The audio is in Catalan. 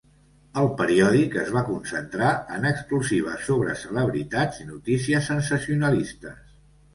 El periòdic es va concentrar en exclusives sobre celebritats i notícies sensacionalistes.